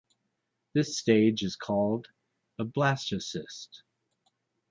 This stage is called a blastocyst.